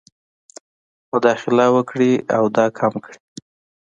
مداخله وکړي او دا کم کړي.